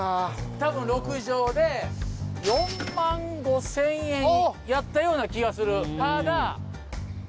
多分６帖で４万５０００円やったような気がする。